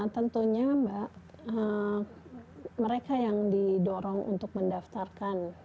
tentunya mbak mereka yang didorong untuk mendaftarkan